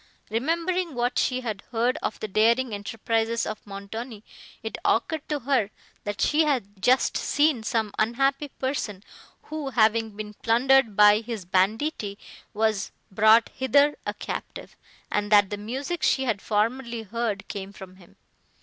Remembering what she had heard of the daring enterprises of Montoni, it occurred to her, that she had just seen some unhappy person, who, having been plundered by his banditti, was brought hither a captive; and that the music she had formerly heard, came from him.